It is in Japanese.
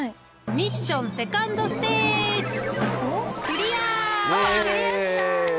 ミッションセカンドステージイエイ！